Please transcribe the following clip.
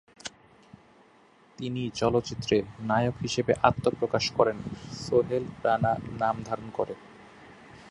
তিনি চলচ্চিত্রে নায়ক হিসেবে আত্মপ্রকাশ করেন সোহেল রানা নাম ধারণ করে।